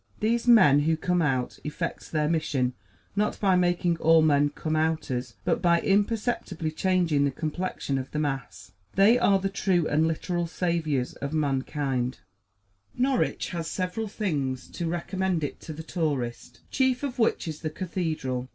These men who come out effect their mission, not by making all men Come Outers, but by imperceptibly changing the complexion of the mass. They are the true and literal saviors of mankind. Norwich has several things to recommend it to the tourist, chief of which is the cathedral.